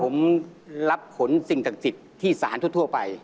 ผมรับขนสิ่งศักดิ์สิทธิ์ที่สารทั่วไป